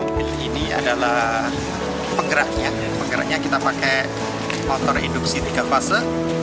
mobil ini adalah penggeraknya penggeraknya kita pakai motor induksi tiga fase